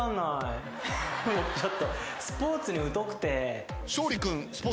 ちょっとスポーツに疎くて。